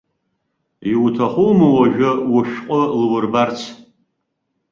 Иуҭахума уажәы ушәҟәы лурбарц!